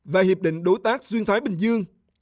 và hiệp định đối tác xuyên thái bình dương